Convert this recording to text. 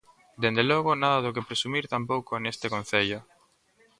Dende logo, nada do que presumir tampouco neste concello.